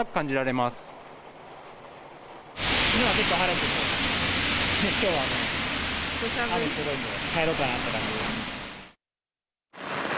きのうは結構晴れてて、きょうは雨がすごいんで、帰ろうかなっていう感じです。